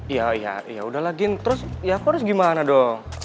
ya ya ya udahlah gin terus ya aku harus gimana dong